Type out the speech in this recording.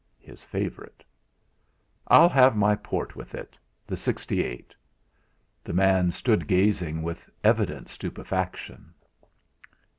His favourite. "I'll have my port with it the 'sixty eight." The man stood gazing with evident stupefaction.